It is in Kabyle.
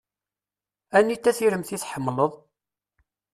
Anita tiremt i tḥemmleḍ?